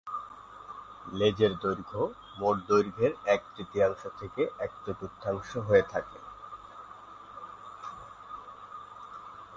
লেজের দৈর্ঘ্য মোট দৈর্ঘ্যের এক-তৃতীয়াংশ থেকে এক- চতুর্থাংশ হয়ে থাকে।